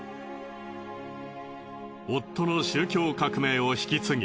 夫の宗教革命を引き継ぎ